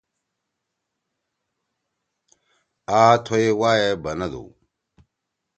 آ تھوئے وائے بندُو۔